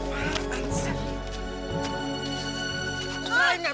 kita selalu bisa menemukan uang